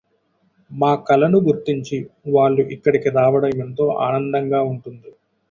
మా కళను గుర్తించి వాళ్ళు ఇక్కడికి రావడం ఎంతో ఆనందంగా ఉంటుంది.